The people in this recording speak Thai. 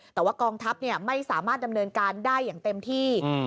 แต่ว่ากองทัพไม่สามารถดำเนินการได้อย่างเต็มที่